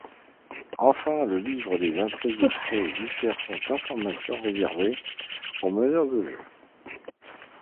Enfin, le Livre des Intrigues expose différentes informations réservées au meneur de jeu.